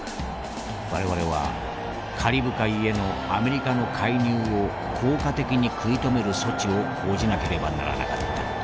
我々はカリブ海へのアメリカの介入を効果的に食い止める措置を講じなければならなかった。